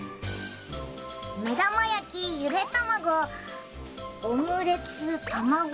めだまやきゆでたまごオムレツたまご